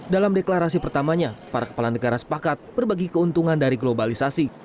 dalam deklarasi pertamanya para kepala negara sepakat berbagi keuntungan dari globalisasi